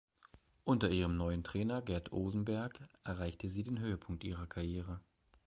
Unter ihrem neuen Trainer Gerd Osenberg erreichte sie den Höhepunkt ihrer Karriere.